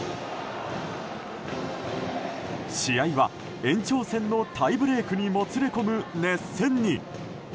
試合は延長戦のタイブレークにもつれ込む熱戦に。